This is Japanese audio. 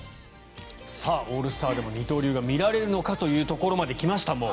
オールスターでも二刀流が見られるのかというところまで来ました。